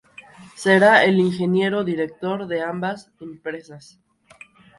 Será el ingeniero director de ambas empresas.